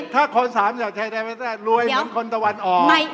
ถ้าคนสามอยากใช้รวยมันค้นตะวันออก